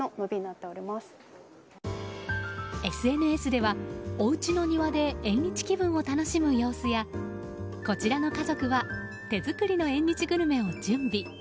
ＳＮＳではおうちの庭で縁日気分を楽しむ様子やこちらの家族は手作りの縁日グルメを準備。